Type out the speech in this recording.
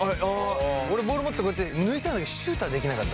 俺ボール持って抜いたんだけどシュートはできなかった。